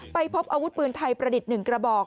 พบอาวุธปืนไทยประดิษฐ์๑กระบอก